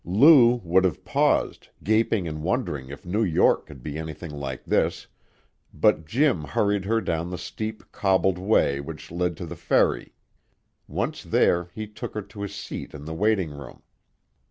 Lou would have paused, gaping and wondering if New York could be anything like this, but Jim hurried her down the steep, cobbled way which led to the ferry. Once there, he took her to a seat in the waiting room.